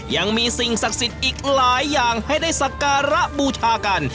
ยังมีสิ่งศักดิ์สิทธิ์อีกหลายอย่างให้ได้สักการะบูชากัน